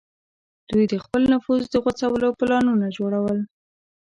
دوی د خپل نفوذ د غځولو پلانونه جوړول.